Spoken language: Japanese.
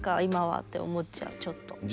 今はって思っちゃうちょっと。